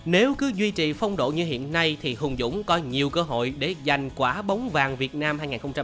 nếu cứ duy trì phong độ như hiện nay thì hùng dũng có nhiều cơ hội để giành quả bóng vàng việt nam hai nghìn hai mươi bốn